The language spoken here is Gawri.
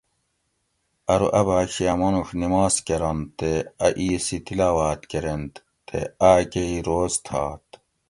ارو ا باگ شی ا مانوڛ نماز کرنت تے ا اِیس ای تلاواۤت کرینت تے آۤکہ ای روز تھات